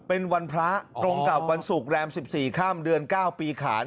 เป็นวันพระตรงกับวันศุกร์แรม๑๔ค่ำเดือน๙ปีขาน